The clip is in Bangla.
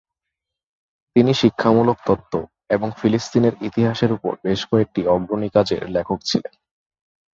তিনি শিক্ষামূলক তত্ত্ব এবং ফিলিস্তিনের ইতিহাসের উপর বেশ কয়েকটি অগ্রণী কাজের লেখক ছিলেন।